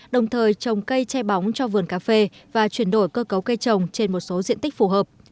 đồng thời trồng cây che bóng cho vườn cà phê và chuyển đổi cơ cấu cây trồng trên một số diện tích phù hợp